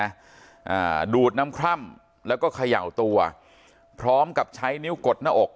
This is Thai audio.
อ่าดูดน้ำคร่ำแล้วก็เขย่าตัวพร้อมกับใช้นิ้วกดหน้าอก